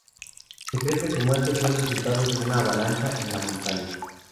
Se cree que su muerte fue el resultado de una avalancha en la montaña.